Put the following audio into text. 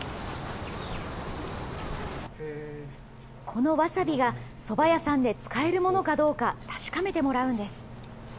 このわさびがそば屋さんで使えるものかどうか、確かめてもらうんです。